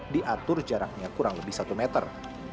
diatur jaraknya kurang lebih satu meter